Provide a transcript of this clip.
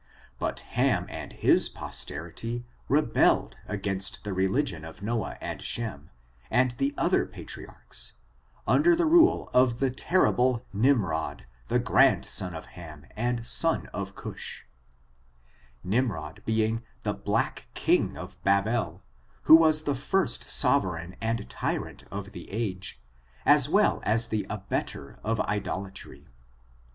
But Ham and FORTUNES, OF THE NEORO RACE. his posterity rebelled against the religion of Noah and Shem, and the other patriarchs, under the rule of the terrible Nimrodj the grandson of Ham and son of Ciish — Nimrod being the black king of Babel, who was the first sovereign and tyrant of the age, as well as the abettor of idolatry.